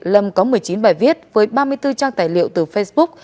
lâm có một mươi chín bài viết với ba mươi bốn trang tài liệu từ facebook